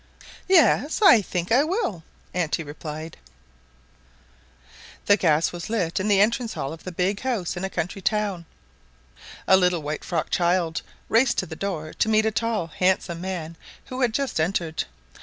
"Yes, I think I will," auntie replied. The gas was lit in the entrance hall of a big house in a country town. A little white frocked child raced to the door to meet a tall, handsome man who had just entered.